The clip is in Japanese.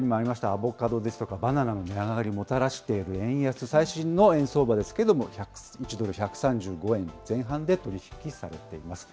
アボカドですとかバナナの値上がりをもたらしている円安、最新の円相場ですけれども、１ドル１３５円前半で取り引きされています。